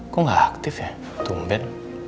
kok gak aktif ya tumben